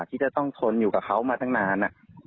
ที่จะต้องทนอยู่กับเขามาตั้งนาน